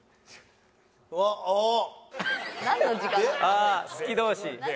あ好き同士。